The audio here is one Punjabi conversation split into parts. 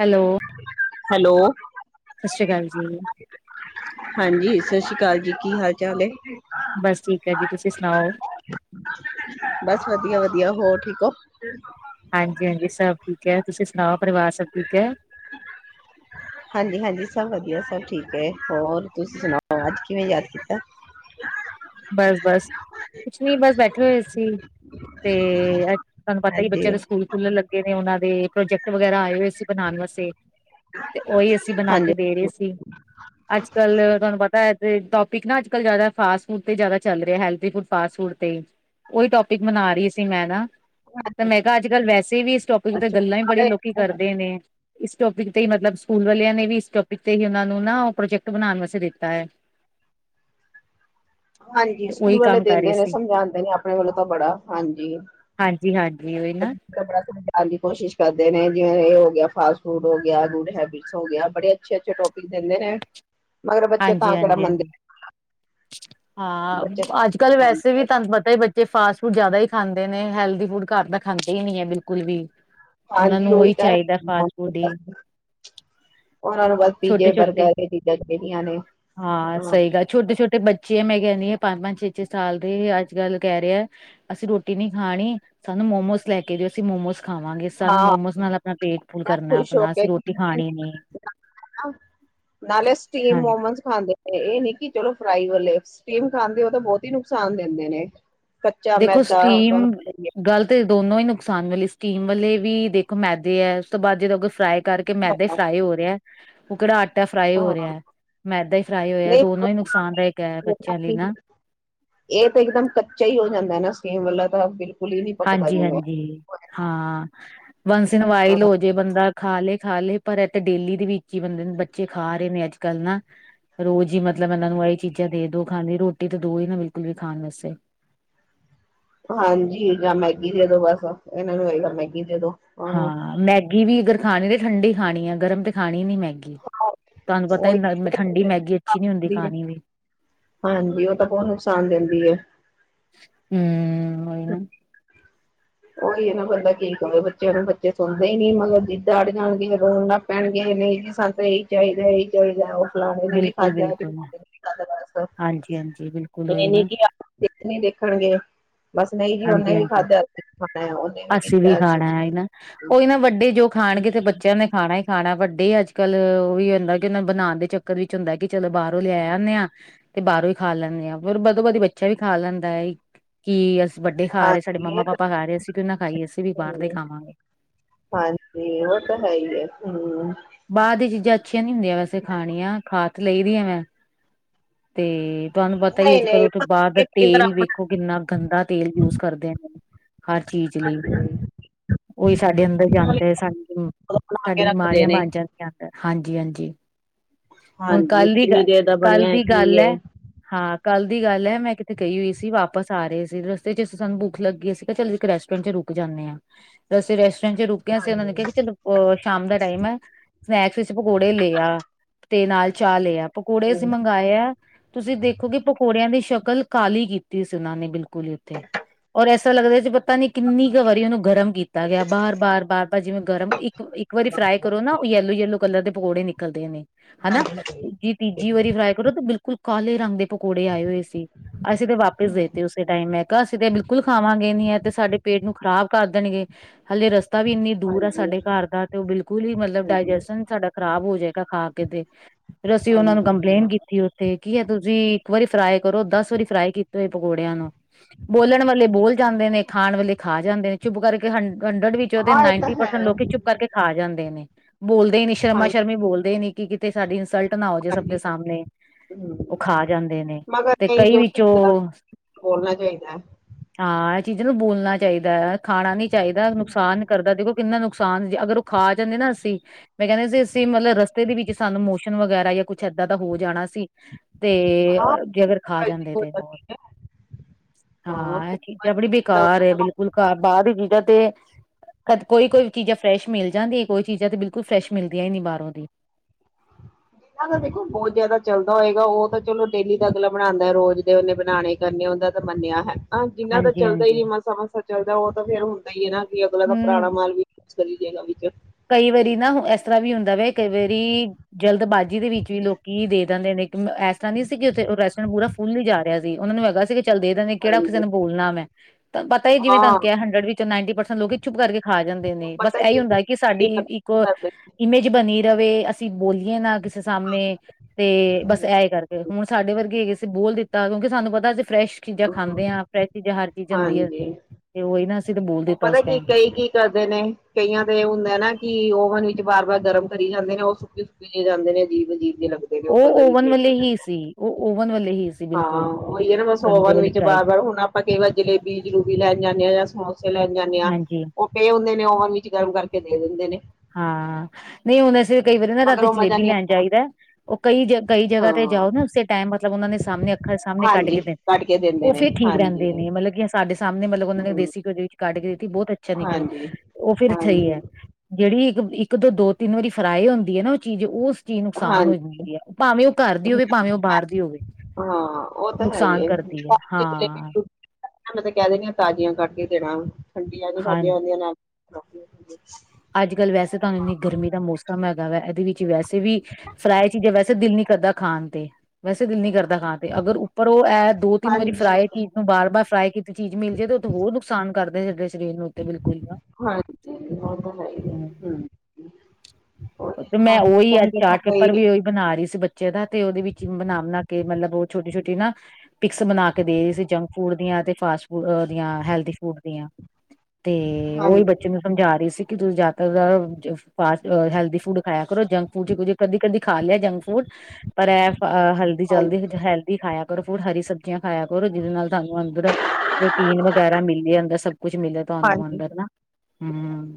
ਹੈਲੋ, ਹੈਲੋ ਸਾਸਰੀ ਕਾਲ ਜੀ। ਹਾਂਜੀ, ਸਸਰੀ ਕਾਲ ਜੀ ਕੀ ਹਾਲ ਚਾਲ ਏ। ਬਸ ਠੀਕ ਹੈ ਜੀ, ਤੁਸੀਂ ਸੁਣਾਓ? [unintelligible] ਬਸ ਵਧੀਆ-ਵਧੀਆ ਹੋਰ ਠੀਕ ਹੋ। [unintelligible] ਹਾਂਜੀ-ਹਾਂਜੀ ਸਭ ਠੀਕ ਹੈ। ਤੁਸੀਂ ਸੁਣਾਓ, ਪਰਿਵਾਰ ਸਭ ਠੀਕ ਹੈ। ਹਾਂਜੀ-ਹਾਂਜੀ ਸਭ ਵਧੀਆ ਸਭ ਠੀਕ ਹੈ। ਹੋਰ ਤੁਸੀਂ ਸੁਣਾਓ, ਅੱਜ ਕਿਵੇਂ ਯਾਦ ਕੀਤਾ। ਬਸ-ਬਸ [inaudible] ਕੁਛ ਨੀ ਬਸ ਬੈਠੇ ਹੋਏ ਸੀ। ਤੇ ਤੁਹਾਨੂੰ ਪਤਾ ਹੀ ਹਾਂਜੀ ਬੱਚਿਆਂ ਦੇ ਸਕੂਲ ਖੁੱਲਣ ਲੱਗੇ ਨੇ ਉਹਨਾਂ ਦੇ ਪ੍ਰੋਜੈਕਟ ਵਗੈਰਾ ਆਏ ਹੋਏ ਸੀ ਬਣਾਉਣ ਵਾਸਤੇ ਤੇ ਉਹੀ ਅਸੀਂ ਬਣਾ ਕੇ ਹਾਂਜੀ ਦੇ ਰਹੇ ਸੀ। ਅੱਜ-ਕਲ੍ਹ ਤੁਹਾਨੂੰ ਪਤਾ ਹੈ ਤੇ ਟੋਪਿਕ ਨਾਂ ਅੱਜ-ਕੱਲ੍ਹ ਜ਼ਿਆਦਾ ਫਾਸਟ ਹੁਣ ਤੇ ਜਿਆਦਾ ਚੱਲ ਰਿਹਾ ਹੈ ਹੈਲਦੀ ਫੂਡ, ਫਾਸਟ ਫੂਡ ਤੇ ਉਹੀ ਟੋਪਿਕ ਬਣਾ ਰਹੀ ਸੀ ਮੈਂ ਨਾਂ ਤੇ ਮੈਂ ਕਿਹਾ ਅੱਜ-ਕੱਲ੍ਹ ਵੈਸੇ ਵੀ ਇਸ ਟੋਪਿਕ ਉਤੇ ਗੱਲਾਂ ਹੀ ਬੜੀ ਅੱਛਾ ਲੋਕੀ ਕਰਦੇ ਨੇਂ ਇਸ ਟੋਪਿਕ ਤੇ ਹੀ ਮਤਲਬ ਸਕੂਲ ਵਾਲਿਆਂ ਨੇ ਵੀ ਇਸ ਟੋਪਿਕ ਤੇ ਹੀ ਉਹਨਾਂ ਨੂੰ ਨਾਂ ਉਹ ਪ੍ਰੋਜੈਕਟ ਬਣਾਉਣ ਵਾਸਤੇ ਦਿੱਤਾ ਹੈ। ਹਾਂਜੀ ਤੇ ਉਹੀ ਸਕੂਲ ਵਾਲੇ ਕੰਮ ਕਰ ਰਹੇ ਦਿੰਦੇ ਨੇ ਸੀ ਸਮਝਾਉਂਦੇ ਨੇ ਆਪਣੇ ਵੱਲੋਂ ਤਾਂ ਬੜਾ ਹਾਂਜੀ। ਜੀ ਹਾਂਜੀ ਹੀ ਨਾਂ ਬੜਾ ਸਮਝਾਉਣ ਦੀ ਕੋਸ਼ਿਸ਼ ਕਰਦੇ ਨੇਂ ਜਿਵੇਂ ਇਹ ਹੋ ਗਿਆ ਫਾਸਟ ਫੂਡ ਹੋ ਗਿਆ ਗੁੱਡ ਹੈਬਿਟ ਹੋ ਗਿਆ ਬੜੇ ਅੱਛੇ-ਅੱਛੇ ਟੋਪਿਕ ਦਿੰਦੇ ਨੇ, ਮਗਰ ਬੱਚੇ ਹਾਂਜੀ ਤਾਂ ਕਿਹੜਾ ਹਾਂਜੀ ਹਾਂਜੀ। ਮੰਨਦੇ ਹਾਂ ਬੱਚੇ ਅੱਜ-ਕੱਲ੍ਹ ਵੈਸੇ ਵੀ ਤੁਹਾਨੂੰ ਪਤਾ ਹੀ ਬੱਚੇ ਜੇ ਫਾਸਟ ਫੂਡ ਜ਼ਿਆਦਾ ਹੀ ਖਾਂਦੇ ਨੇਂ, ਹੈਲਦੀ ਫੂਡ ਘਰ ਦਾ ਖਾਂਦੇ ਹੀ ਨਹੀਂ ਹੈ ਬਿਲਕੁਲ ਵੀ ਉਹਨਾਂ ਹਾਂਜੀ ਨੂੰ ਉਹੀ ਤੇ ਚਾਹੀਦਾ ਫਾਸਟ ਫੂਡ ਹੀ [unintelligible] ਉਹਨਾਂ ਨੂੰ ਬਸ ਪੀਜੇ, ਛੋਟੇ ਛੋਟੇ ਬਰਗਰ ਇਹ ਚੀਜ਼ਾਂ ਚਾਹੀਦੀਆਂ ਨੇਂ ਹ ਛੋਟੇ-ਛੋਟੇ ਬੱਚੇ ਆ ਮੈਂ ਕਹਿੰਨੀ ਹਾਂ ਪੰਜ-ਪੰਜ, ਛੇ-ਛੇ ਸਾਲ ਦੇ ਅੱਜ-ਕੱਲ੍ਹ ਕਹਿ ਰਹੇ ਆ ਅਸੀਂ ਰੋਟੀ ਨੀਂ ਖਾਣੀ, ਸਾਨੂੰ ਮੋਮੋਸ ਲੈ ਕੇ ਦੋ ਅਸੀਂ ਮੋਮੋਸ ਖਾਵਾਂਗੇ। ਸਾਨੂੰ ਹਾਂ ਮੋਮੋਸ ਨਾਲ ਆਪਣਾ ਪੇਟ ਫੂਲ ਕਰਨਾ ਖੁਸ਼ ਹੋ ਆਪਣਾ ਕੇ ਅਸੀਂ ਰੋਟੀ ਖਾਂਦੇ ਖਾਣੀ ਨੀ। ਨੇ। ਨਾਲੇ ਸਟੀਮ ਹਾਂਜੀ ਮੋਮੈਸ ਖਾਂਦੇ ਨੇ ਇਹ ਨੀਂ ਕਿ ਚਲੋ, ਫਰਾਈ ਵਾਲੇ ਸਟੀਮ ਖਾਂਦੇ ਉਹ ਤਾਂ ਬਹੁਤ ਹੀ ਨੁਕਸਾਨ ਦਿੰਦੇ ਨੇਂ ਕੱਚਾ ਮੈਦਾ ਗਲਤ ਦੋਨੋ ਹੀ ਨੁਕਸਾਨ ਵਾਲੀ ਸਟੀਮ ਵਾਲੇ ਵੀ ਦੇਖੋ ਮੈਦੇ ਹੈ ਉਸ ਤੋਂ ਬਾਅਦ ਜਦੋਂ ਅਰ ਫਰਾਈ ਕਰਕੇ ਮੈਦੇ ਹੈ। ਫਰਾਈ ਹੋ ਰਿਹਾ ਉਹ ਕਿਹੜਾ ਆਟਾ ਫਰਾਈ ਹੋ ਹਾਂ ਰਿਹਾ। ਮੈਦਾ ਹੀ ਫਰਾਈ ਹੋਇਆ ਨਹੀਂ ਦੋਨੋ ਹੀ ਨੁਕਸਾਨਦਾਇਕ ਹੈ ਬੱਚਿਆਂ ਲਈ ਨਾਂ ਇਹ ਤਾਂ ਇਕਦਮ ਕੱਚਾ ਹੀ ਹੋ ਜਾਂਦਾ ਨਾਂ ਸਟੀਮ ਵਾਲਾ ਤਾਂ ਬਿਲੁ ਹਾਂਜੀ-ਹਾਂਜੀ, ਹਾਂ ਵੰਸ ਇਨ ਵਾਈਲ ਹਾਂ, ਹੋ ਜੇ ਬੰਦਾ ਖਾ ਲੇ-ਖਾ ਲੇ ਪਰ ਇਹ ਤਾਂ ਡੇਲੀ ਦੇ ਵਿੱਚ ਹੀ ਬੰਦੇ ਨੂੰ ਬੱ ਬੱਚੇ ਖਾ ਰਹੇ ਨੇਂ ਅੱਜ-ਕੱਲ੍ਹ ਨਾਂ। ਰੋਜ਼ ਹੀ ਮਤਲਬ ਇਹਨਾਂ ਨੂੰ ਇਹ ਚੀਜ਼ਾਂ ਦੇ ਦੋ ਖਾਣ ਲਈ ਰੋਟੀ ਤੇ ਦੋ ਹੀ ਨਾ ਬਿਲਕੁਲ ਵੀ ਖਾਣ ਵਾਸਤੇ। ਹਾਂਜੀ ਜਾਂ ਮੈਗੀ ਦੇ ਦੋ ਬਸ ਇਹਨਾਂ ਨੂੰ ਹੈਗਾ ਮੈਗੀ ਦੇ ਦੋ। ਹਾਂ, ਮੈਗੀ ਵੀ ਅਗਰ ਖਾਣੀ ਤੇ ਠੰਢੀ ਖਾਣੀ ਆ ਗਰਮ ਤੇ ਖਾਣੀ ਨੀਂ ਮੈਗੀ। ਤੁਹਾਨੂੰ ਪਤਾ ਹੀ ਠੰਡੀ ਮੈਗੀ ਅੱਛੀ ਨੀਂ ਹੁੰਦੀ ਉਹੀ ਖਾਣੀ ਵੀ। ਹਾਂਜੀ, ਉਹ ਤਾਂ ਬਹੁਤ ਨੁਕਸਾਨ ਦਿੰਦੀ ਹੈ। ਹਮ ਹੋਏ ਨਾਂ। ਉਹੀ ਹੈ ਨਾਂ ਬੰਦਾ ਕੀ ਕਵੇ ਬੱਚਿਆਂ ਉਹ ਨੂੰ ਬੱਚੇ ਸੁਣਦੇ ਹੀ ਨੀਂ ਮਗਰ ਜਿੱਦਾਂ ਅੜ ਜਾਣ ਰੋਣ ਲੱ ਪੈਣਗੇ ਨੇ ਜੀ ਸਾਨੂੰ ਇਹੀ ਚਾਹੀਦਾ-ਇਹੀ ਚਾਹੀਦਾ, ਉਹ ਫਲਾਣੇ ਨੇ ਵੀ ਖਾਧਾ ਢਿਵਕੇਂ ਨੇ ਵੀ ਖਾਧਾ ਬਸ। ਹਾਂਜੀ-ਹਾਂਜੀ ਬਿਲਕੁਲ ਇਹ ਓਹੀ ਨੀ ਨਾ। [unintelligible] ਬਸ ਨਹੀਂ ਜੇ ਉਹਨੇ ਹਾਂਜੀ ਵੀ ਹਾਂਜੀ ਖਾਧਿਆ ਖਾਣਾ ਉਹਨੇ ਕੀਤਾ ਸੀ। ਨਹੀਂ ਨਾ ਉਹੀ ਨਾ ਵੱਡੇ ਜੋ ਖਾਣਗੇ ਤੇ ਬੱਚਿਆਂ ਨੇ ਖਾਣਾ ਈ ਖਾਣਾ। ਵੱਡੇ ਅੱਜ-ਕੱਲ੍ਹ ਉਹੀ ਹੁੰਦਾ ਕਿ ਉਹ ਬਣਾਉਣ ਦੇ ਚੱਕ ਰ ਵਿੱਚ ਹੁੰਦਾ ਕਿ ਚਲੋ ਬਾਹਰੋਂ ਲੈ ਆਨੇ ਆ। ਤੇ ਬਾਹਰੋਂ ਈ ਖਾ ਲੈਨੇ ਆ ਫਿਰ ਵਦੋ ਵਧੀ ਬੱਚਾ ਵੀ ਖਾ ਲੈਂਦਾ ਆ ਕਿ ਅਸੀ ਵੱਡੇ ਖਾ ਰਹੇ ਸਾਡੇ ਹਾਂਜੀ ਇਹ ਮੰਮਾ ਪਾਪਾ ਖਾ ਰਹੇ ਅਸੀਂ ਕਿਉ ਨਾ ਖਾਈਏ ਅਸੀਂ ਤਾਂ ਬਾਰ ਦਾ ਈ ਹੂੰ ਖਵਾਂਗੇ। ਹਾਂਜੀ, ਉਹ ਤਾ ਹੈ ਈ ਐ ਹਮ। ਬਾਹਰ ਦੀਆਂ ਚੀਜ਼ਾਂ ਅੱਛੀਆਂ ਨੀ ਹੁੰਦੀਆਂ ਵੈਸੇ ਖਾਣੀਆਂ ਖਾਦ ਲਈ ਦੀ ਆ ਮੈਂ ਤੇ ਤੇ ਤੁਹਾਨੂੰ ਪਤਾ ਹੀ ਨਹੀਂ ਅੱਜ-ਕੱਲ੍ਹ ਨਹੀਂ ਉਥੇ ਬਾਹਲ ਦਾ ਕਈ ਵਾਰ ਤੇਲ ਆਪਣਾ ਵੇਖੋ ਕਿੰਨਾ ਗੰਦਾ ਤੇਲ ਯੂਜ ਕਰਦੇ ਨੇ ਹਰ ਚੀਜ਼ ਲਈ। ਉਹੀ ਸਾਡੇ ਅੰਦਰ ਜਾਂਦਾ ਐ ਸਾਨੂੰ ਬਣਾ ਕੇ ਸਾਡੀ ਰੱਖਦੇ ਬਿਮਾਰੀਆਂ ਨੇ ਬਣ ਹਾਂਜੀ-ਹਾਂਜੀ। ਹੁਣ ਹਾਂਜੀ ਕੱਲ ਦੀ ਗ ਕਿੰਨੀ ਦੇਰ ਦਾ ਕੱਲ ਬਣਿਆ ਦੀ ਕੀ ਗੱਲ ਐ। ਹੈ। ਹਾਂ ਕੱਲ੍ਹ ਦੀ ਗੱਲ ਐ ਮੈਂ ਕਿੱਥੇ ਗਈ ਹੋਈ ਸੀ ਵਾਪਸ ਆ ਰਹੇ ਸੀ। ਰਸਤੇ ਜਿਸ ਸਾਨੂੰ ਭੁੱਖ ਲੱਗੀ ਸੀ ਚੱਲ ਰੈਸਟ ਰੈਸਟ ਚ ਰੁਕ ਜਾਂਦੇ ਆ ਤੇ ਅਸੀਂ ਰੈਸਟੋਰੈਂਟ ਚ ਰੁਕੇ ਆ ਅਸੀਂ ਉਹਨਾਂ ਨੇ ਹਾਂਜੀ ਕਿਹਾ ਕਿ ਚਲੋ ਸ਼ਾਮ ਦਾ ਟਾਈਮ ਐ। ਸਨੈਕਸ ਵਿੱਚ ਪਕੌੜੇ ਲੇ ਆ ਤੇ ਨਾਲ ਚਾਹ ਲਿਆ ਪਕੌੜੇ ਹੂੰ ਅਸੀਂ ਮੰਗਵਾਏ ਆ। ਤੁਸੀ ਦੇਖੋਗੇ ਪਕੌੜਿਆਂ ਦੀ ਸ਼ਕਲ ਕਾਲੀ ਕੀਤੀ ਸੀ। ਉਹਨਾਂ ਨੇ ਬਿਲਕੁਲ ਹੀ ਉੱਥੇ ਔਰ ਐਸਾ ਲੱਗਦਾ ਸੀ ਪਤਾ ਨੀ ਕਿੰਨੀ ਕੁ ਵਾਰੀ ਉਹਨੂੰ ਗਰਮ ਕੀਤਾ ਗਿਆ ਬਾਰ-ਬਾਰ-ਬਾਰ-ਬਾਰ ਜਿਵੇਂ ਗਰਮ ਇੱਕ ਇੱਕ ਵਾਰੀ ਫਰਾਈ ਕਰੋ ਨਾ। ਉਹ ਯੈਲੋ-ਯੈਲੋ ਕਲਰ ਦੇ ਪਕੌੜੇ ਨਿਕਲਦੇ ਨੇ ਹਨਾ ਹਾਂਜੀ ਜੀ ਤੀਜੀ ਵਾਰੀ ਫਰਾਈ ਕਰੋ ਤੇ ਬਿਲਕੁ ਕਾਲੇ ਰੰਗ ਦੇ ਪਕੌੜੇ ਆਏ ਹੋਏ ਸੀ ਅਸੀਂ ਤੇ ਵਾਪਿਸ ਹਾਂਜੀ ਦੇਤੇ ਟੇਮ ਏ ਮੈ ਕਿਹਾ ਅਸੀ ਤੇ ਬਿਲਕੁਲ ਖਾਵਾਂਗੇ ਨੀ ਏ ਤੇ ਸਾਡੇ ਪੇਟ ਨੂੰ ਖਰਾਬ ਕਰ ਦੇਣਗੇ ਹਾਲੇ ਰਸ- ਪਤਾ ਵੀ ਇੰਨੀ ਦੂਰ ਆ ਹਾਂਜੀ ਸਾਡੇ ਘਰ ਦਾ ਤੇ ਉਹ ਬਿਲਕੁਲ ਹੀ ਹਾਂਜੀ ਡਾਇਜੈਸ਼ਨ ਸਾਡਾ ਖ਼ਰਾਬ ਹੋ ਜਾਏਗਾ ਖਾ ਕੇ ਤੇ ਫਿਰ ਅਸੀ ਉਹਨਾ ਨੂੰ ਹਾਂਜੀ ਕੰਪਲੇਂਟ ਕੀਤੀ। ਤੇ ਕੀ ਤੁਸੀਂ ਇੱਕ ਵਾਰੀ ਕਰੋ ਦਸ ਵਾਰੀ ਫਰਾਈ ਕੀਤੇ ਹੋਏ ਪਕੌੜਿਆਂ ਨੂੰ। ਬੋਲਣ ਵਾਲੇ ਬੋਲ ਜਾਂਦੇ ਨੇ ਖਾਣ ਵਾਲੇ ਖਾ ਜਾਂਦੇ ਨੇ ਚੁੱਪ ਕਰਕੇ ਹੰਡਰਡ ਵਿੱਚ ਉਹਦੇ ਹਾਂ ਇਹ ਤਾਂ ਨਾਈਨਟੀ ਹੈ ਪਰਸੈਂਟ ਲੋਕ ਹਾਂਜੀ ਚੁੱਪ ਕਰਕੇ ਖਾ ਜਾਂਦੇ ਨੇ। ਬੋਲਦੇ ਈ ਨੀ ਸ਼ਰਮਾ ਸ਼ਰਮੀ ਬੋਲਦੇ ਈ ਨੀ ਕਿ ਕਿਤੇ ਸਾਡੀ ਇਨਸਲਟ ਨਾ ਹੋ ਜੇ ਸਭ ਦੇ ਹਾਂਜੀ ਸਾਹਮਣੇ। ਹਮ ਉਹ ਖਾ ਜਾਂਦੇ ਨੇ ਮਗਰ ਤੇ ਨਹੀਂ ਕਈ ਜੋ ਵਿੱਚੋ ਚੀਜ਼ ਗਲਤ ਬੋਲਣਾ ਚਾਹੀਦਾ ਹੈ ਹਾਂ ਇਹ ਚੀਜ਼ ਨੂੰ ਬੋਲਣਾ ਚਾਹੀਦਾ ਐ ਖਾਣਾ ਨੀ ਚਾਹੀਦਾ ਨੁਕਸਾਨ ਕਰਦਾ ਦੇਖੋ ਕਿੰਨਾ ਨੁਕਸਾਨ ਅਗਰ ਖਾ ਜਾਂਦੇ ਨਾ ਅਸੀ। ਮੈਂ ਕਹਿੰਦੇ ਸੀ ਅਸੀਂ ਮਤਲਬ ਰਸਤੇ ਦੇ ਵਿੱਚ ਸਾਨੂੰ ਮੋਸ਼ਨ ਵਗੈਰਾ ਜਾਂ ਕੁੱਛ ਏਦਾਂ ਦਾ ਹੋ ਜਾਣਾ ਸੀ। ਤੇ ਹਾਂ ਜੇ ਅਗਰ ਖਾ ਜਾਂਦੇ ਹੋ ਤੇ ਉਹ ਜਾਂਦੀ ਹੈ ਹਾਂ, ਇਹ ਚੀਜ਼ਾਂ ਬੜੀ ਬੇਕਾਰ ਐ ਬਿਲਕੁਲ ਬਾਹਰ ਦੀ ਚੀਜ਼ਾਂ ਤੇ ਕ ਕੋਈ-ਕੋਈ ਚੀਜ਼ਾਂ ਫਰੈਸ਼ ਮਿਲ ਜਾਂਦੀ ਕੋਈ ਚੀਜ਼ਾਂ ਤੇ ਬਿਲਕੁਲ ਫਰੈਸ਼ ਮਿਲਦੀਆਂ ਈ ਨੀ ਬਾਹਰੋਂ ਦੀ। ਆ ਤਾ ਦੇਖੋ ਬਹੁਤ ਜਿਆਦਾ ਚੱਲਦਾ ਹੋਏਗਾ ਉਹ ਤਾਂ ਚਲੋ ਡੇਲੀ ਦਾ ਅਗਲਾ ਬਣਾਦਾ ਰੋਜ਼ ਦੇ ਉਹਨੇ ਬਣਾਉਣੇ। ਕਰਨੇ ਹੁੰਦਾ ਤਾਂ ਮੰਨਿਆ ਹੈ। ਹਾਂ, ਜਿੰਨਾ ਤਾਂ ਹਾਂਜੀ ਚੱਲਦਾ ਹੀ ਹਾਂਜੀ ਨਹੀਂ ਮਸਾ-ਮਸਾ ਚੱਲਦਾ ਉਹ ਤਾਂ ਫਿਰ ਹੁੰਦਾ ਹੀ ਨਾ ਕਿ ਅਗਲਾ ਤਾਂ ਹਮ ਪੁਰਾਣਾ ਮਾਲ ਵੀ [inaudible] ਕਈ ਵਾਰੀ ਨਾ ਇਸ ਤਰ੍ਹਾਂ ਵੀ ਹੁੰਦਾ ਵਾ ਕਈ ਵਾਰੀ ਜਲਦ ਬਾਜ਼ ਜਿਹਦੇ ਵਿੱਚ ਵੀ ਲੋਕ ਦੇ ਦਿੰਦੇ ਨੇ ਕਿ ਇਸ ਤਰ੍ਹਾਂ ਨਹੀਂ ਸੀ ਕਿ ਉੱਥੇ ਉਹ ਰੈਸਟੋਰੈਂਟ ਪੂਰਾ ਖੁੱਲ ਈ ਜਾ ਰਿਹਾ ਸੀ ਉਹਨਾਂ ਨੂੰ ਹੈਗਾ ਸੀ ਚੱਲਦੇ ਇਹਦੇ ਨੇ ਕਿਹੜਾ ਕਿਸੇ ਹਾਂਜੀ ਨੂੰ ਬੋਲਣਾ ਮੈਂ ਤਾਂ ਪਤਾ ਐ ਜਿਵੇਂ ਹਾਂ ਤੁਹਾਨੂੰ ਕਿਹਾ ਹੰਡਰਡ ਵਿੱਚ ਨਾਈਨਟੀ ਪਰਸੈਂਟ ਲੋਕੀ ਚੁੱਪ ਕਰਕੇ ਖਾ ਜਾਂਦੇ ਉਹ ਨੇ। ਬਸ ਪਤਾ ਇਹੀ ਕੀ ਹੁੰਦਾ ਕਿ ਕੀ ਪਤਾ ਸਾਡੀ ਕੋ ਕਰਦੇ ਇਮੇਜ ਬਣੀ ਰਹੇ ਅਸੀ ਬੋਲੀਏ ਨਾ ਕਿਸ ਸਾਹਮਣੇ ਤੇ ਬਸ ਨੇ। ਐ ਕਰਕੇ ਹੁਣ ਸਾਡੇ ਵਰਗੇ ਹੈਗੇ ਸੀ ਬੋਲ ਦਿੱਤਾ, ਕਿਉਕਿ ਸਾਨੂੰ ਪਤਾ ਫਰੈਸ਼ ਚੀਜ਼ਾਂ ਹਮ, ਖਾਂਦੇ ਆ ਫਰੈਸ਼ ਚੀਜ਼ਾਂ ਹਰ ਚੀਜ਼ ਹੁੰਦੀ ਐ ਹਾਂਜੀ ਤੇ ਉਹੀ ਨਾ ਅਸੀਂ ਤੇ ਬੋਲ ਉਹ ਦਿੱਤਾ ਪਤਾ ਉਸ ਕੀ ਟਾਈਮ ਕਏਗੀ ਕਰਦੇ ਨੇ। ਕਈਆਂ ਤੇ ਇਹ ਹੁੰਦਾ ਨਾ ਕਿ ਓਵਨ ਵਿੱਚ ਬਾਰ-ਬਾਰ ਗਰਮ ਕਰੀ ਜਾਂਦੇ ਨੇ ਉਹ ਸੁੱਕ। ਜਾਂਦੇ ਨੇ,' ' [unintelligible] ਉਹ ਓਵਨ ਵਾਲੇ ਹੀ ਸੀ, ਉਹ ਓਵਨ ਵਾਲੇ ਹੀ ਸੀ। ਹਾਂ ਬਿਲਕੁਲ ਉਹੀ ਹੈ ਨਾ ਬ ਗੰਦੇ ਸੌਵਨਵ ਵਾਲੇ ਚ ਫਰਾਈ ਬਾਰ-ਬਾਰ ਹੋਣਾ ਕਦੇ ਵੀ ਜਲੇਬੀ-ਜਲੂਬੀ ਲੈਣ ਜਾਂਣੇ ਆ ਜਾਂ ਸਮੋਸੇ ਲੈਣ ਜਾਂਣੇ ਆ ਹਾਂਜੀ ਉਹ ਪੇ ਹੁੰਦੇ ਨੇ, ਉਹਨੇ ਓਵਨ ਵਿੱਚ ਗਰਮ ਕਰਕੇ ਦੇ ਦਿੰਦੇ ਨੇ। ਹਾਂ, ਨਹੀਂ ਹੁਣ ਅਸੀਂ ਕਈ ਵਾਰੀ ਨਾ ਮਗਰ ਰਾਤੀ ਉਹ ਮਜ਼ਾ ਜਲੇਬੀ ਨਹੀਂ ਲੈਣ ਆਉਂਦਾ ਜਾਈਦਾ ਉਹ ਕਈ-ਕਈ ਜਗ੍ਹਾ ਤੇ ਜਾਓ ਹਾਂ ਉਸਦੇ ਟਾਈਮ ਮਤਲਬ ਉਹਨਾਂ ਸਾਹਮਣੇ ਅੱਖਰ ਸਾਹਮਣੇ ਕੱਢ ਹਾਂਜੀ ਕੇ ਦੇ ਕੱਢ ਕੇ ਦਿੰਦੇ ਉਹ ਨੇ ਫੇਰ ਠੀਕ ਹਾਂਜੀ ਰਹਿੰਦੇ ਨੇ ਮਤਲਬ ਕਿ ਸਾਡੇ ਸਾਹਮਣੇ ਮਤਲਬ ਉਹਨਾਂ ਨੇ ਹਮ ਦੇਸੀ ਘਿਓ ਵਿੱਚ ਕੱਢ ਕੇ ਦਿੱਤੀ ਬਹੁਤ ਅੱਛਾ ਨਿਕਲੀ ਹਾਂਜੀ ਉਹ ਫਿਰ ਸਹੀ ਐ। ਹਾਂਜੀ ਜਿਹੜੀ ਇੱਕ, ਇੱਕ, ਦੋ-ਦੋ, ਤਿੰਨ ਵਾਰੀ ਫਰਾਈ ਹੁੰਦੀ ਐ ਨਾ ਉਹ ਚੀਜ਼ ਉਹ ਚੀ ਨੁਕਸਾਨ ਹੋ ਹਾਂਜੀ, ਜਾਂਦੀ ਆ, ਭਾਵੇਂ ਉਹ ਘਰ ਦੀ ਭਾਵੇਂ ਉਹ ਬਾਹਰ ਦੀ ਹੋਵੇ। ਹਾਂ ਉਹ ਤਾਂ ਹੈ ਹੀ ਨੁਕਸਾਨ ਆ, ਕਰਦੀ ਹੈ ਹਾਂ ਜਲੇਬੀ-ਜਲੂਬੀ' ' [unintelligible] ਮੈਂ ਕਹਿ ਦਿੰਨੀਆ ਤਾਜ਼ੀਆਂ ਕੱਢ ਕੇ ਦੇਣਾ, ਠੰਡੀਆਂ ਨੀ ਹਾਂਜੀ ਖਾਦੀਆਂ ਜਾਂਦੀਆ' ' [unintelligible] ਅੱਜ-ਕੱਲ੍ਹ ਵੈਸੇ ਤੁਹਾਨੂੰ ਨੀ ਗਰਮੀ ਦਾ ਮੌਸਮ ਹੈਗਾ ਵਾ ਇਹਦੇ ਵਿੱਚ ਵੈਸੇ ਵੀ ਫਰਾਈ ਚੀਜ਼ਾਂ ਵੈਸੇ ਦਿਲ ਨੀ ਕਰਦਾ ਖਾਣ ਤੇ, ਵੈਸੇ ਦਿਲ ਨੀ ਕਰਦਾ ਖਾਣ ਤੇ ਅਗਰ ਉੱਪਰ ਉਹ ਐ ਦੋ, ਤਿੰਨ ਵਾਰੀ ਹਾਂਜੀ ਉਹ ਫਰਾਏ ਤਾਂ ਚੀ ਬਾਰ-ਬਾਰ ਫਰਾਈ ਕੀਤੀ ਚੀਜ਼ ਮਿਲ ਜਾ ਤੇ ਉਥੇ ਹੋਰ ਕਰਦੇ ਸਾਡੇ ਨੂੰ ਉੱਹਤੇ ਬਿਲਕੁਲ। ਹਾਂਜੀ, ਹਾਂ ਉਹ ਤਾਂ ਹੈ ਹੀ। ਉਹੀ ਤੇ ਨਾ ਮੈਂ ਉਹੀ ਆ ਹੁਣ ਦੇਖੋ ਚਾਰਟ ਕੋਈ ਪੇਪਰ ਵੀ ਉਹੀ ਬਣਾ ਰਹੀ ਸੀ ਬੱਚੇ ਦਾ, ਤੇ ਉਹਦੇ ਵਿੱਚ ਬਣਾ-ਬਣਾ ਕੇ ਮਤਲਬ ਉਹ ਛੋਟੀ-ਛੋਟੀ ਨਾ ਪਿਕਸ ਬਣਾ ਕੇ ਦੇ ਰਹੀ ਸੀ। ਜੰਕ ਫੂਡ ਦੀਆਂ ਤੇ ਫਾਸਟ ਫੂਡ ਦੀਆਂ ਹੈਲਦੀ ਫੂਡ ਦੀਆਂ। ਤੇ ਉਹੀ ਬੱਚੇ ਹਾਂਜੀ, ਨੂੰ ਸਮਝਾ ਰਹੀ ਸੀ। ਤੁਸੀਂ ਜਿਆਦਾਤਰ ਫਾਸਟ ਹੈਲਦੀ ਫੂਡ ਖਾਇਆ ਕਰੋ। ਜੰਕ ਫੂਡ 'ਚ' ਕਦੀ-ਕਦੀ ਖਾ ਲਿਆ ਜੰਕ ਫੂਡ। ਪਰ ਇਹ ਹਲਦੀ-ਚਲਦੀ ਹਾਂਜੀ, ਹੈਲ ਵੀ ਖਾਇਆ ਕਰੋ, ਫਿਰ ਹਰੀ ਸਬਜ਼ੀਆਂ ਖਾਇਆ ਕਰੋ, ਜਿਹਦੇ ਨਾਲ ਤੁਹਾਨੂੰ ਅੰਦਰ ਪ੍ਰੋਟੀਨ ਵਗੈਰਾ ਮਿਲੀ ਅੰਦਰ ਸਭ ਕੁਛ ਮਿਲਿਆ ਤੁਹਾਨੂੰ ਹਾਂਜੀ ਅੰਦਰ ਨਾ, ਹਮ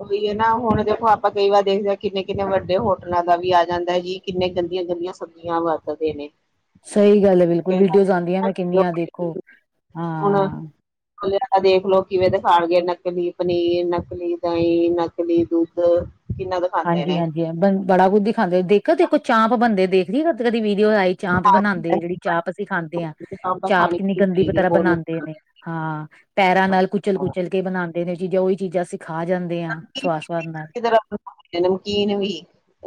ਉਹੀ ਹੈ ਨਾ ਹੁਣ ਦੇਖੋ ਆਪਾਂ ਕਈ ਵਾਰ ਦੇਖਦੇ ਹਾਂ ਕਿੰਨੇ ਕਿੰਨੇ ਵੱਡੇ ਹੋਟਲਾਂ ਦਾ ਵੀ ਆ ਜਾਂਦਾ ਹੈ ਜੀ। ਕਿੰਨੇ ਗੰਦੀਆਂ-ਗੰਦੀਆਂ ਸਬਜ਼ੀਆਂ ਵਰਤਦੇ ਨੇ। ਸਹੀ ਗੱਲ ਐ ਬਿਲਕੁਲ, ਕਈ ਵਾਰ। ਵੀਡੀਓਜ਼ ਆਉਂਦੀਆਂ ਮੈਂ ਕਿੰਨੀਆਂ ਦੇਖੋ, ਹਾਂ। ਦੇਖਲਓ ਕਿਵੇਂ ਦਿਖਾਣਗੇ, ਨਕਲੀ ਪਨੀਰ, ਨਕਲੀ ਦਹੀਂ, ਨਕਲੀ ਦੁੱਧ ਕਿੰਨਾ ਦਾ ਹਾਂਜੀ-ਹਾਂਜੀ ਬ ਬੜਾ ਕੁਝ ਹੀ ਦਿਖਾਂਦੇ ਦੇਖੋ-ਦੇਖੋ ਚਾਂਪ ਬੰਦੇ ਦੇਖਦੇ ਕਦੇ ਕਦੀ ਵੀਡੀਓ ਆਈ। ਚਾਪ ਬਣਾਉਂਦੇ ਆ, ਜਿਹੜੀ ਚਾਪ ਅਸੀਂ ਖਾਂਦੇ ਹਾਂ ਆਪਾਂ ਚਾਪ ਖਾਣੀ ਕਿੰਨੀ ਨੀ ਗੰਦੀ ਚਾਹੀਦੀ ਤਰ੍ਹਾਂ ਬਹੁਤ ਬਣਾਉਂਦੇ ਨੁਕਸਾਨ ਨੇ। ਹਾਂ, ਪੈਰਾਂ ਨਾਲ ਕੁਚਲ-ਕੁਚਲ ਕੇ ਬਣਾਉਂਦੇ ਨੇ ਚੀਜਾਂ ਉਹੀ ਚੀਜ਼ਾਂ ਅਸੀ ਖਾ ਜਾਂਦੇ ਆ ਸਵਾਦ-ਸਵਾਦ ਨਾਲ। ਨਮਕੀਨ ਵੀ।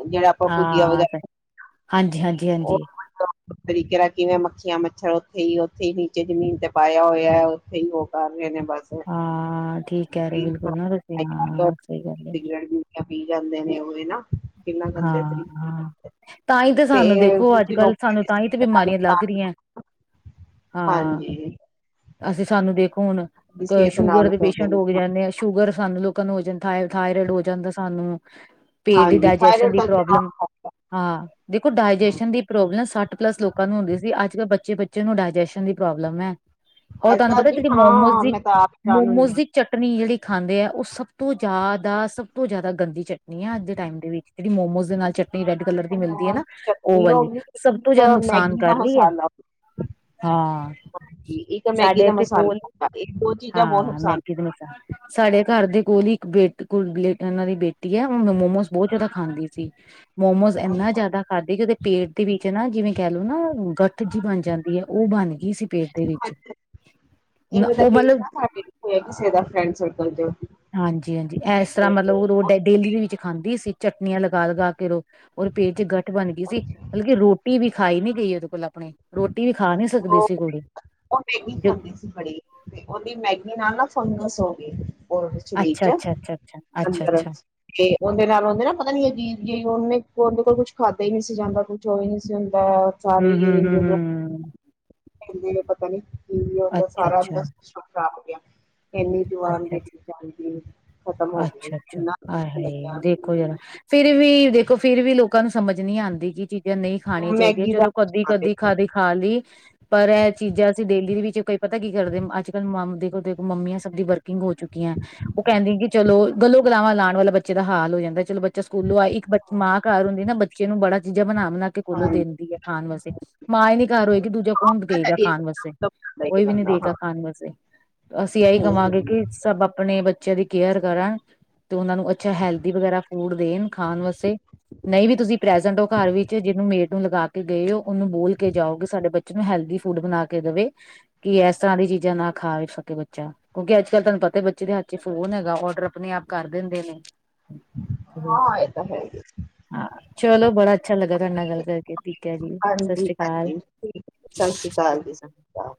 ਜਿਹੜਾ ਆਪਾਂ ਭੁਜੀਆ ਹਾਂ ਸਹੀ, ਵਗੈਰਾ ਹਾਂਜੀ ਹਾਂਜੀ ਉਹ' ਹਾਂਜੀ ' [unintelligible] ਤਰੀਕੇ ਨਾਲ ਕਿਵੇਂ ਮੱਖੀਆਂ, ਮੱਛਰ ਉੱਥੇ ਹੀ, ਉੱਥੇ ਹੀ ਨੀਚੇ ਜਮੀਨ ਤੇ ਪਾਇਆ ਹੋਇਆ ਉੱਥੇ ਹੀ ਉਹ ਕਰ ਰਹੇ ਨੇ ਬੱਸ। ਹਾਂ, ਠੀਕ ਕਹਿ ਰਹੇ ਬਿਲਕੁਲ ਨਾ ਤੁਸੀਂ ਹਾਂ। ਸਹੀ ਗੱਲ ਹੈ ਗਰ ਪੀ ਜਾਂਦੇ ਨੇ ਉਹ ਨਾ ਕਿੰਨਾ ਗੰਦੇ ਹਾਂ ਹਾਂ ਤਰੀਕੇ ਤਾਂ ਹੀ ਤੇ ਸਾਨੂੰ ਦੇਖੋ ਅੱਜ ਇਹ' ਕੱਲ ਸਾਨੂੰ ਤਾਂ ਹੀ ਤੇ ਬਿਮਾਰੀਆਂ ਲੱਗ ' ਰਹੀਆਂ [unintelligible] ਹਾਂ ਹਾਂਜੀ। ਅਸੀਂ ਸਾਨੂੰ ਦੇਖੋ ਹੁਣ, ਦੀ ਕਦੇ ਸਿਹਤ ਸ਼ੂਗਰ ਨਾਲ ਦੇ ਕਰਦੇ ਪੇਸ਼ੈਂਟ ਹੋਗ ਨੁਕਸਾਨ ਜਾਂਦੇ ਆ। ਸ਼ੂਗਰ ਸਾਨੂੰ ਲੋਕਾਂ ਨੂੰ ਹੋ ਜਾਂਦਾ, ਥਾਇ ਥਾਇਰੋਇਡ ਹੋ ਜਾਂਦਾ ਸਾਨੂੰ, ਪੇਟ ਦੀ ਹਾਂਜੀ ਡਾਇਜੈ ਥਾਇਰਡ ਦਾ ਲਮ ਹਾਂ। ਦੇਖੋ, ਡਾਇਜੈਸ਼ਨ ਦੀ ਪ੍ਰੋਬਲਮ ਸੱਠ ਪਲੱਸ ਲੋਕਾਂ ਨੂੰ ਹੁੰਦੀ ਸੀ। ਅੱਜ-ਕੱਲ੍ਹ ਬੱਚੇ ਬੱਚੇ ਨੂੰ ਪ੍ਰੋਬਲਮ ਐ। ਹੋਰ ਤੁਹਾਨੂੰ ਅੱਜਕੱਲ ਪਤਾ ਜੀ ਜਿਹੜੀ ਹਾਂ ਮੋਮੋਜ, ਮੈਂ ਤਾਂ ਆਪ ਹੈਰਾਨ ਹੁੰਨੀ ਮੋਮੋਜ਼ ਆ। ਦੀ ਚਟਨੀ ਜਿਹੜੀ ਖਾਂਦੇ ਆ ਉਹ ਸਭ ਤੋਂ ਜ਼ਿਆਦਾ ਸਭ ਤੋਂ ਜ਼ਿਆਦਾ, ਗੰਦੀ ਚਟਨੀ ਹੈ ਅੱਜ ਦੇ ਟਾਈਮ ਦੇ ਵਿੱਚ। ਜਿਹੜੀ ਮੋਮੋਜ਼ ਦੇ ਨਾਲ਼ ਚਟਨੀ ਰੈੱਡ ਕਲ਼ਰ ਦੀ ਇੱਕ ਮਿਲਦੀ ਆ ਮੋਮੋਸ ਨਾ। ਦੀ ਉਹ ਚਟਨੀ ਹੋ ਵਾਲੀ ਗਈ, ਸਭ ਤੋਂ ਇੱਕ ਜ਼ਿਆਦਾ ਨੁਕਸਾਨ ਮੈਗੀ ਦਾ ਕਰ ਰਹੀ ਆ ਮਸਾਲਾ ਹੋ ਹਾਂ ਗਈ, ਇੱਕ ਮੈਗੀ ਸਾਡੇ ਦਾ ਇੱਥੇ ਮਸਾਲਾ ਕੋਲ਼, ਹੋ ਗਿਆ। ਇਹ ਦੋ ਚੀਜ਼ਾਂ ਬਹੁਤ ਹਾਂ ਪਸੰਦ ਮੈਗੀ ਦੇ ਨੁਕਸਾਨ ਸਾਡੇ ਘਰ ਦੇ ਕੋਲ਼ ਹੀ ਇੱਕ ਬੇ ਬੇ ਉਹਨਾਂ ਦੀ ਬੇਟੀ ਐ ਉਹ ਨੂੰ ਮੋਮੋਸ ਬਹੁਤ ਜ਼ਿਆਦਾ ਖਾਂਦੀ ਸੀ। ਮੋਮੋਸ ਇੰਨਾ ਜ਼ਿਆਦਾ ਹਾਂਜੀ, ਖਾਧੇ ਕਿ ਉਹਦੇ ਪੇਟ ਦੇ ਵਿੱਚ ਨਾ ਜਿਵੇਂ ਕਹਿ ਲਓ ਨਾ ਗੱਠ ਜੀ ਬਣ ਜਾਂਦੀ ਐ ਉਹ ਬਣ ਗਈ ਸੀ ਪੇਟ ਦੇ ਵਿੱਚ, ਨਾ ਉਹ ਮਤਲਬ ਹੋਇਆਂ ਕਿਸੇ ਦਾ ਫਰੈਂਡ ਸਰਕਲ ਦਿਓ ਹਾਂਜੀ-ਹਾਂਜੀ ਇਸ ਤਰ੍ਹਾਂ ਮਤਲਬ ਉਹਦੋ ਡੇਲੀ-ਡੇਲੀ ਵਿੱਚ ਖਾਂਦੀ ਚਟਨੀਆਂ ਲਗਾ ਲਗਾ ਕੇ ਰੋ ਔਰ ਪੇਟ 'ਚ' ਗੱਠ ਬਣ ਗਈ ਸੀ, ਮਤਲਬ ਕਿ ਰੋਟੀ ਵੀ ਖਾਈ ਨੀ ਗਈ ਉਹਦੇ ਕੋਲ਼ ਆਪਣੇ ਰੋਟੀ ਵੀ ਖਾ ਨ੍ਹੀਂ ਸਕਦੀ ਉਹ ਸੀ ਕੁੜੀ ਉਹ ਮੈਗੀ ਦੇ ਖਾਂਦੀ ਬੜੀ, ਤੇ ਉਹਦੀ ਮੈਗੀ ਨਾਲ਼ ਨਾ ਫੰਗਸ ਹੋ ਗੀ' ' ਅੱਛਾ ਅੱਛਾ ਅੱਛਾ ਅੱਛਾ ਅੱਛਾ ਅੱਛਾ [unintelligible] ਤੇ ਉਨਦੇ ਨਾਲ਼ ਉਨਦੇ ਨਾ ਪਤਾ ਨੀ ਹੈਗੀ ਜੇ ਉਹਨੇ ਉਹਦੇ ਕੋਲ ਕੁਛ ਖਾਧਾ ਹੀ ਨੀ ਸੀ ਜਾਂਦਾ ਕੁਛ ਉਹ ਨੀ ਸੀ ਹੁੰਦਾ ਸਾਰੇ ਹਮ ਈ ਏ ਹਮ ਹਮ ਮੋਮੋ ਹਮ ਕਹਿੰਦੇ ਨੇ ਪਤਾ ਨਹੀਂ ਕਿ ' [unintelligible] ' ਅੱਛਾ ਸਾਰਾ ਅੱਛਾ ਜਿਹੜਾ ਸਿਸਟਮ ਖ਼ਰਾਬ ਹੋ ਗਿਆ। ਇੰਨੀ' ਅੱਛਾ ਅੱਛਾ ਅੱਛਾ ' [unintelligible] ਫ਼ਿਰ ਵੀ, ਦੇਖੋਂ ਫ਼ਿਰ ਵੀ ਲੋਕਾਂ ਸਮਝ ਨੀ ਆਂਦੀ ਕਿ ਚੀਜ਼ਾਂ ਨਹੀ ਉਹ ਖਾਣੀਆਂ ਚਾਹੀਦੀਆਂ ਮੈਗੀ ਦਾ ਚਲੋ ਕਦੀ-ਕਦੀ ਹਾਂਜੀ ਖਾਦੀ ਖਾ ਲੀ ਪਰ ਇਹ ਚੀਜ਼ਾਂ ਅਸੀਂ ਡੇਲੀ ਦੇ ਵਿੱਚ ਕਈ ਪਤਾ ਕੀ ਕਰਦੇ ਅੱਜ-ਕੱਲ੍ਹ ਮ ਦੇਖੋਂ ਮੰਮੀਆਂ ਦੀ ਵਰਕਿੰਗ ਹੋ ਚੁੱਕੀ ਆ ਉਹ ਕਹਿੰਦੀ ਕਿ ਚਲੋ ਗਲੋ ਗਲਾਵਾਂ ਲਾਣ ਵਾਲਾ ਬ ਬੱਚੇ ਦਾ ਹਾਲ ਹੋ ਜਾਂਦਾ। ਚਲੋ ਬੱਚਾ ਸਕੂਲੋਂ ਆਏ ਇੱਕ ਬ ਮਾਂ ਘਰ ਹੁੰਦੀ ਨਾ ਬੱਚੇ ਨੂੰ ਬੜਾ ਚੀਜ਼ਾਂ ਬਣਾ-ਬਣਾ ਕੇ ਕੋਲੋਂ ਹਾਂ ਦਿੰਦੀ ਐ ਖਾਣ ਵਾਸਤੇ, ਮਾਂ ਈ ਨੀ ਘਰ ਹੋਏਗੀ, ਦੂਜਾ ਕੌਣ ਗਏਗਾ ਖਾਣ ਵਾਸਤੇ ਇਹ ਕੋਈ ਵੀ ਨੀ ਬੰਦਾ ਹਾਂ ਦੇਗਾ ਖਾਣ ਵੈਸੇ, ਅਸੀਂ ਆਈ ਹਾਂ ਸਭ ਆਪਣੇ ਬੱਚਿਆਂ ਦੀ ਕੇਅਰ ਕਰਨ ਤੇ ਉਹਨਾਂ ਨੂੰ ਅੱਛਾ ਹੈਲਦੀ ਵਗੈਰਾ ਫੂਡ ਦੇਣ ਖਾਣ ਵਾਸਤੇ ਨਹੀਂ ਵੀ ਤੁਸੀਂ ਪ੍ਰੈਜੈਂਟ ਹੋ ਘਰ ਵਿੱਚ ਜਿਹਨੂੰ ਮੇਡ ਨੂੰ ਲਗਾ ਕੇ ਗਏ ਹੋ ਉਹਨੂੰ ਬੋਲ ਕੇ ਜਾਓਗੇ ਸਾਡੇ ਬੱਚੇ ਨੂੰ ਹੈਲਦੀ ਫੂਡ ਬਣਾ ਕੇ ਦੇਵੇ ਕਿ ਇਸ ਤਰ੍ਹਾਂ ਦੀ ਚੀਜ਼ਾਂ ਨਾ ਖਾਵੇ ਸਕੇ ਬੱਚਾ ਕਿਉਂਕਿ ਅੱਜ-ਕੱਲ੍ਹ ਤਾਨੂੰ ਪਤਾ ਬੱਚੇ ਦੇ ਹੱਥ ਚ ਫ਼ੋਨ ਹੈਗਾ ਔਡਰ ਆਪਣੇ ਆਪ ਕਰ ਦਿੰਦੇ ਨੇ ਹਾਂ ਇਹ ਤੇ ਹੈ ਹੀ ਹਾਂ, ਚਲੋ ਬੜਾ ਅੱਛਾ ਲੱਗਾ ਤਹਾਡੇ ਨਾਲ਼ ਗੱਲ ਠੀਕ ਏ ਜੀ ਸਸ੍ਰੀ ਕਾਲ ਸਸ ਸ੍ਰੀ ਕਾਲ ਜੀ। ਅਕਾਲ